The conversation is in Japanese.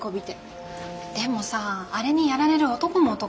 でもさあれにやられる男も男じゃない？